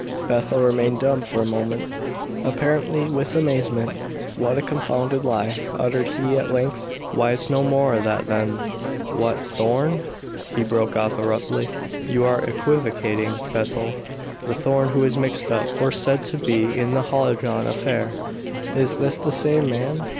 Bethel remained dumb for a moment, apparently with amazement. "What a confounded lie!" uttered he at length. "Why it's no more that than What Thorn?" he broke off abruptly. "You are equivocating, Bethel. The Thorn who is mixed up or said to be in the Hallijohn affair. Is this the same man?"